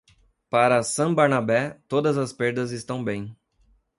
Para San Bernabé, todas as perdas estão bem.